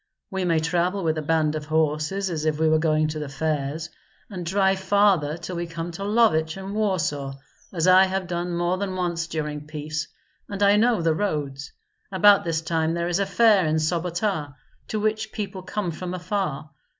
We may travel with a band of horses, as if we were going to the fairs, and drive farther till we come to Lovich and Warsaw, as I have done more than once during peace, and I know the roads. About this time there is a fair in Sobota, to which people come from afar.